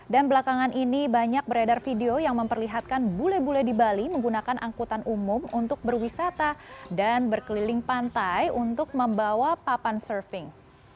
dan belakangan ini banyak beredar video yang memperlihatkan bule bule di bali menggunakan angkutan umum untuk berwisata dan berkeliling pantai untuk membawa papan surfing